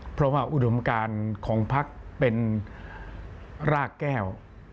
เพราะว่าอุดมการของพักเป็นรากแก้ว